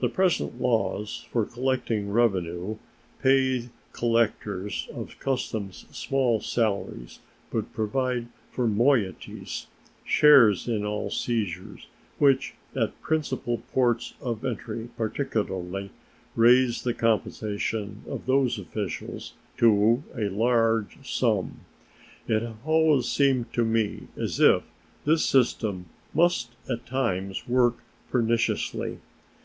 The present laws for collecting revenue pay collectors of customs small salaries, but provide for moieties (shares in all seizures), which, at principal ports of entry particularly, raise the compensation of those officials to a large sum. It has always seemed to me as if this system must at times work perniciously.